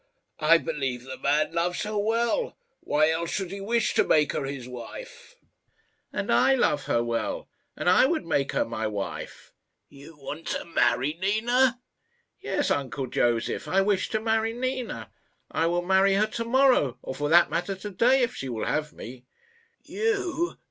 I believe the man loves her well. Why else should he wish to make her his wife?" "And I love her well and I would make her my wife." "You want to marry Nina!" "Yes, uncle Josef. I wish to marry Nina. I will marry her to morrow or, for that matter, to day if she will have me." "You!